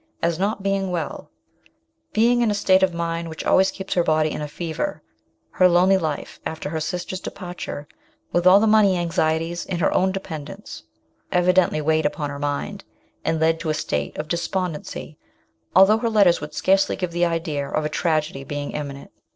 1 11 well being in a state of mind which always keeps her body in a fever her lonely life, after her sister's departure, with all the money anxieties, and her own dependence, evidently weighed upon her mind, and led to a state of despondency, although her letters would scarcely give the idea of a tragedy being imminent.